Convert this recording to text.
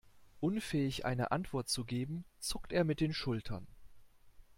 Unfähig eine Antwort zu geben, zuckt er mit den Schultern.